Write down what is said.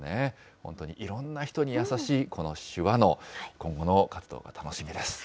本当にいろんな人に優しいこの手話能、今後の活動が楽しみです。